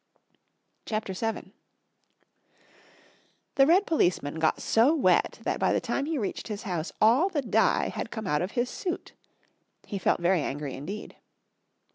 CHAPTER VII. The red policeman got so wet that by the time he reached his house all the dye had come out of his suit. He felt very angry indeed.